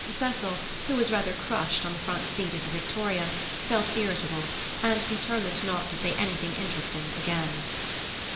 Cecil, who was rather crushed on the front seat of the victoria, felt irritable, and determined not to say anything interesting again.